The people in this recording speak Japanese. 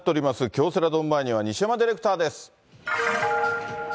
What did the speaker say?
京セラドーム前には西山ディレクターです。